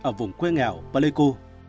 ở vùng quê nghèo paleku